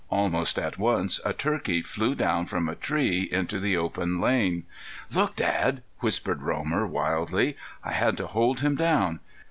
Almost at once a turkey flew down from a tree into the open lane. "Look Dad!" whispered Romer, wildly. I had to hold him down.